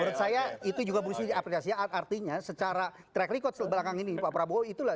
menurut saya itu juga berusaha di aplikasi artinya secara track record setelah belakang ini pak prabowo itulah